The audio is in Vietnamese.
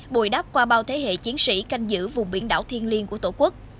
bồi đáp qua bao thế hệ chiến sĩ canh giữ vùng biển đảo thiên liên của tổ quốc